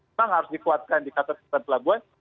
memang harus dikuatkan di kata kata pelabuhan